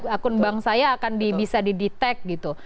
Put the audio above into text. akun bank saya akan bisa didetek gitu